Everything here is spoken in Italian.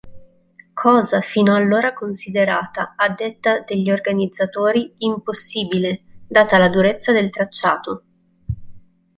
Cosa fino allora considerata, a detta degli organizzatori, impossibile data la durezza del tracciato!